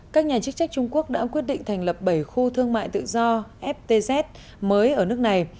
các nhà chức trách trung quốc đã quyết định thành lập bảy khu thương mại tự do ftz mới ở nước này